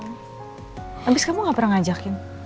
habis kamu gak pernah ngajakin